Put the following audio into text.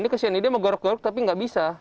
ini kesian ini dia menggorok gorok tapi nggak bisa